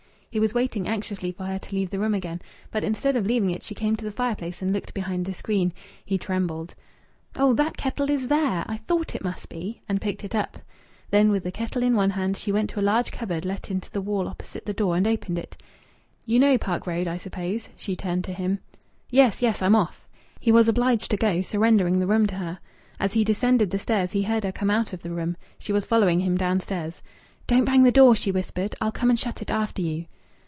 He was waiting anxiously for her to leave the room again. But instead of leaving it she came to the fireplace and looked behind the screen. He trembled. "Oh! That kettle is there! I thought it must be!" And picked it up. Then, with the kettle in one hand, she went to a large cupboard let into the wall opposite the door, and opened it. "You know Park Road, I suppose?" she turned to him. "Yes, yes, I'm off!" He was obliged to go, surrendering the room to her. As he descended the stairs he heard her come out of the room. She was following him downstairs. "Don't bang the door," she whispered. "I'll come and shut it after you."